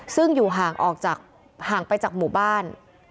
ซึ่งอยู่ห่างออกจากห่างไปจากหมู่บ้าน